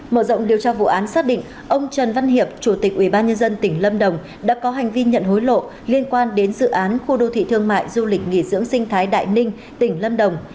mở rộng điều tra vụ án xác định ông trần văn hiệp chủ tịch ubnd tỉnh lâm đồng đã có hành vi nhận hối lộ liên quan đến dự án khu đô thị thương mại du lịch nghỉ dưỡng sinh thái đại ninh tỉnh lâm đồng